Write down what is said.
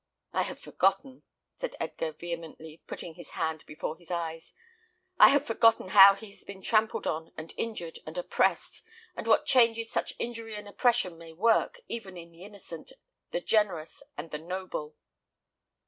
"I had forgotten," said Edgar, vehemently, putting his hand before his eyes; "I had forgotten how he has been trampled on, and injured, and oppressed; and what changes such injury and oppression may work, even in the innocent, the generous, and the noble."